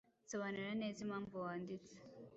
sobanura neza impamvu wanditse,